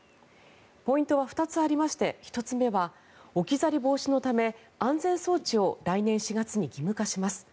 ポイントは２つありまして１つ目は置き去り防止のため安全装置を来年４月に義務化します。